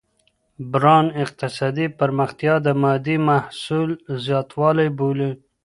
بران اقتصادي پرمختیا د مادي محصول زیاتوالی بولي.